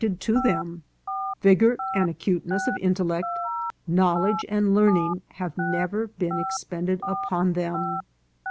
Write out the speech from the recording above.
457 ed to them ; vigour and acuteness of intellect, knowl edge and learning, have never been expended upon them.